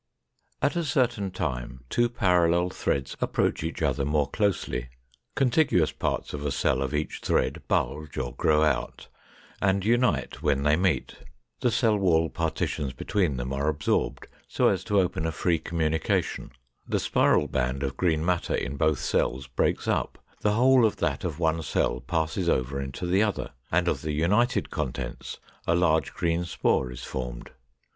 ] 512. At a certain time two parallel threads approach each other more closely; contiguous parts of a cell of each thread bulge or grow out, and unite when they meet; the cell wall partitions between them are absorbed so as to open a free communication; the spiral band of green matter in both cells breaks up; the whole of that of one cell passes over into the other; and of the united contents a large green spore is formed.